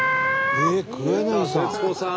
黒柳さん！